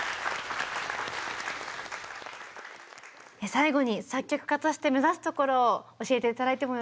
最後に作曲家として目指すところを教えて頂いてもよろしいでしょうか？